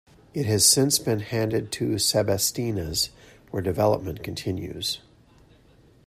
It has since been handed to "sebastinas", where development continues.